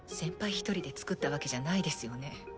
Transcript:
一人で造ったわけじゃないですよね？